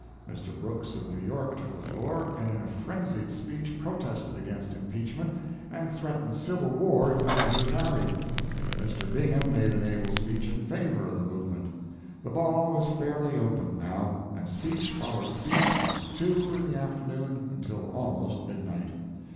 Mr. Brooks of New York took the floor, and in a frenzied speech protested against impeachment, and threatened civil war if the measure carried. Mr. Bingham made an able speech in favor of the movement. The ball was fairly opened now, and speech followed speech from 2 in the afternoon till almost midnight.